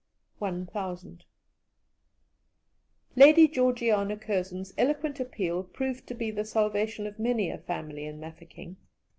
1,000 Lady Georgiana Curzon's eloquent appeal proved to be the salvation of many a family in Mafeking.